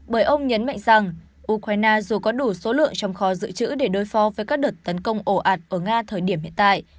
bởi ông nhấn mạnh rằng ukraine dù có đủ số lượng trong kho dự trữ để đối phó với các đợt tấn công ổ ạt ở nga thời điểm hiện tại